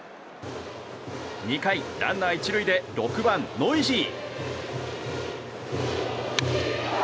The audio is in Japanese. ２回、ランナー１塁で６番、ノイジー。